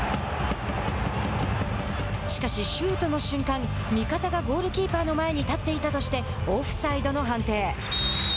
しかし、シュートの瞬間味方がゴールキーパーの前に立っていたとしてオフサイドの判定。